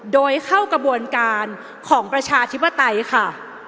โดยเข้ากระบวนการของประชาธิปไตยค่ะ